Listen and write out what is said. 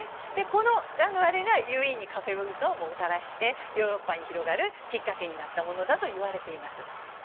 それがウィーンにカフェ文化をもたらしてヨーロッパに広がるきっかけになったものだといわれています。